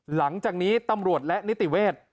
หลังจากนี้ตำรวจและนิติเวทย์